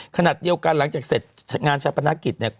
ขนาดเยียวกันหลังจากเสร็จงานชาบประนะกิจ